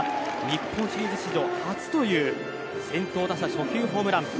日本シリーズ史上初という先頭打者初球ホームラン。